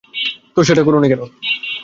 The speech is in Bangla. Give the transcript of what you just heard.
তো সেটা করোনি কেন?